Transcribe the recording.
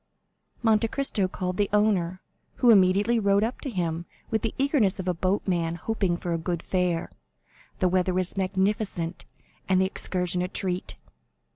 Monte Cristo called the owner, who immediately rowed up to him with the eagerness of a boatman hoping for a good fare. The weather was magnificent, and the excursion a treat.